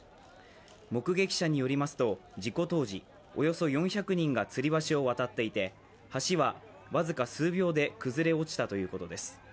目撃者によりますと事故当時およそ４００人がつり橋を渡っていて、橋は僅か数秒で崩れ落ちたということです。